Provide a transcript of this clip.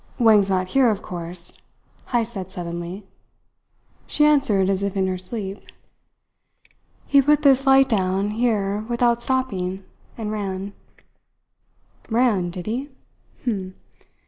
"Wang's not here, of course?" Heyst said suddenly. She answered as if in her sleep. "He put this light down here without stopping, and ran." "Ran, did he?